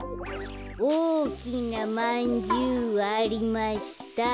「おおきなまんじゅうありました」